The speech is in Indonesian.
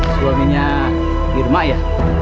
suaminya irma ya